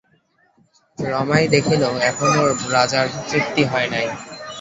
রমাই দেখিল, এখনও রাজার তৃপ্তি হয় নাই।